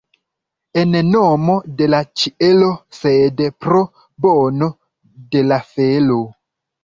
En nomo de la ĉielo, sed pro bono de la felo.